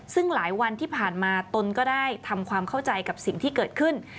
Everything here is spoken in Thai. ซึ่งหลายวันที่ผ่านมาตนก็ได้ทำความเข้าใจกับสิ่งที่เกิดขึ้น